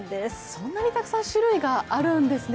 そんなにたくさん種類があるんですね。